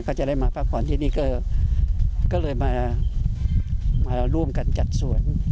ก็จะได้มาพักผ่อนที่นี่ก็เลยมาร่วมกันจัดสวน